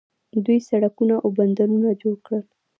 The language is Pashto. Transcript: دوی سړکونه او بندرونه جوړ کړل.